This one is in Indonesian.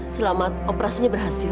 selamat operasinya berhasil